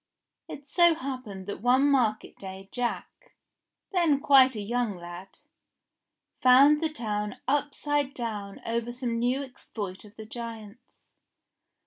It so happened that one market day Jack, then quite a young lad, found the town upside down over some new ex ploit of the giant's.